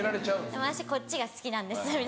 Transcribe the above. でも私こっちが好きなんです。